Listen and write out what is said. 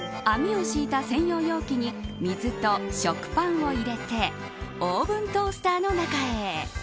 網を敷いた専用容器に水と食パンを入れてオーブントースターの中へ。